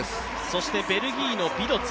そしてベルギーのビドツ。